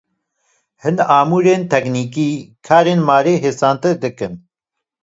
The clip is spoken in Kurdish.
Hin amûrên teknîkî karê malê hêsantir dikin.